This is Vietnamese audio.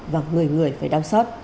và người người phải đau xót